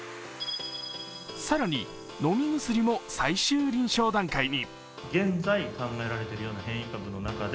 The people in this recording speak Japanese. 更に飲み薬も最終臨床段階に。